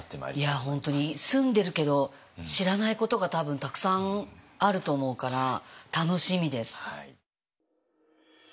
いや本当に住んでるけど知らないことが多分たくさんあると思うから楽しみです。